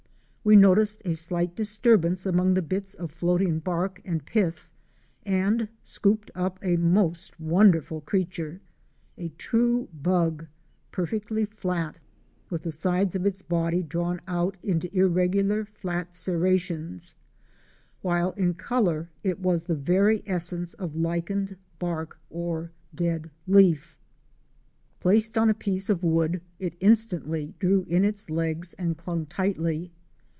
We noticed a slight disturbance among the bits of floating bark and pith, and scooped up a most wonderful creature — a true bug, perfectly flat, with the sides of its body drawn out into irregular flat serrations, while in color it was the very essence of lichened bark or dead leaf. Placed on a piece of wood it instantly drew in its legs and clung tightly.